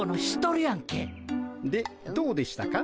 でどうでしたか？